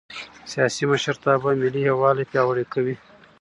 سیاسي مشرتابه ملي یووالی پیاوړی کوي